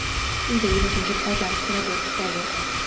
并且依托城市开展配套改革。